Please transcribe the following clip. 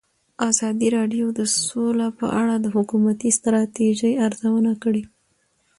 ازادي راډیو د سوله په اړه د حکومتي ستراتیژۍ ارزونه کړې.